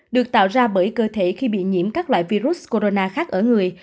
được tạo ra bởi cơ thể khi bị nhiễm các loại virus corona khác ở người